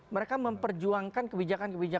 mereka memperjuangkan kebijakan kebijakan